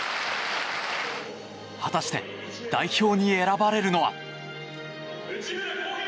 果たして代表に選ばれるのは。